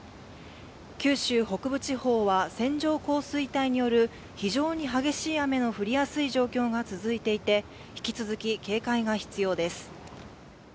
九州北部地方は線状降水帯による非常に激しい雨の降りやすい状況が続いていて引き続き警戒が必要です。